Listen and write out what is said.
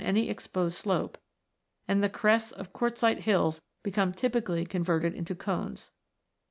any exposed slope, and the crests of quartzite hills become typically converted into cones (Fig.